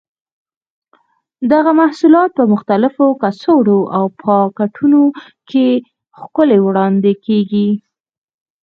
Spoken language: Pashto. دغه محصولات په مختلفو کڅوړو او پاکټونو کې ښکلي وړاندې کېږي.